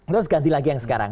terus ganti lagi yang sekarang